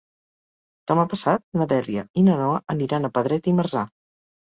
Demà passat na Dèlia i na Noa aniran a Pedret i Marzà.